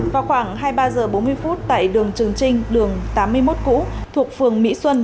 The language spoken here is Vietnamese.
vào khoảng hai mươi ba h bốn mươi phút tại đường trường trinh đường tám mươi một cũ thuộc phường mỹ xuân